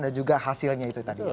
dan juga hasilnya itu tadi